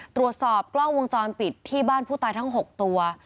ตรวจสอบกล้องวงจรปิดที่บ้านผู้ตายทั้ง๖ตัว